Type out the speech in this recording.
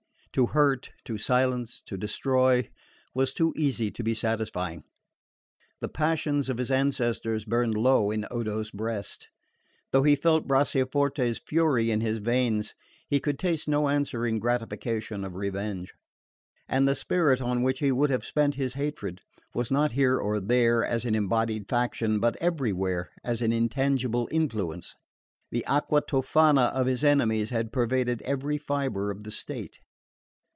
To hurt, to silence, to destroy, was too easy to be satisfying. The passions of his ancestors burned low in Odo's breast: though he felt Bracciaforte's fury in his veins he could taste no answering gratification of revenge. And the spirit on which he would have spent his hatred was not here or there, as an embodied faction, but everywhere as an intangible influence. The acqua tofana of his enemies had pervaded every fibre of the state.